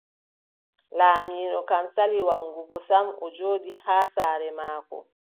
Laamiiɗo kam sali waggugo sam, o jooɗi nder saare maako.